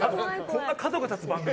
こんな角が立つ番組？